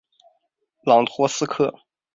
朗托斯克。